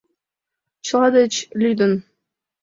Чыла деч лӱдын.